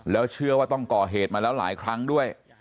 แล้วเชื่อว่าต้องก่อเหตุมาแล้วหลายครั้งด้วย